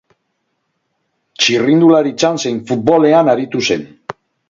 Txirrindularitzan zein futbolean aritu zen.